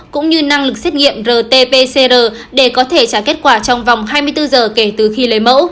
cũng như năng lực xét nghiệm rt pcr để có thể trả kết quả trong vòng hai mươi bốn giờ kể từ khi lấy mẫu